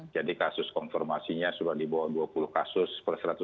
jadi kasus konformasinya sudah di bawah dua puluh kasus per seratus orang